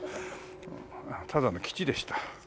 ただの吉でした。